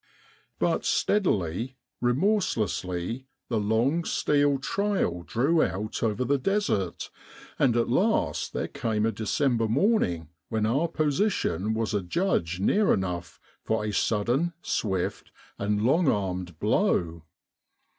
But steadily, remorselessly, the long steel trail drew out over the Desert, and at last there came a December morning when our position was adjudged near enough for a sudden, swift, and long armed blow.